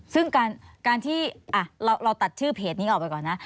ซึ่งการที่เราตัดชื่อเพจนี้ออกไปก่อนนะ